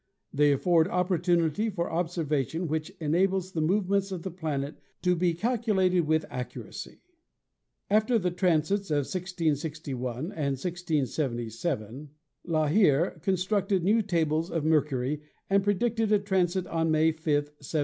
They afford opportunity for observation which enables the movements of the planet to be calculated with accu racy. After the transits of 1661 and 1677 La Hire constructed new tables of Mercury and predicted a transit on May 5, 1707.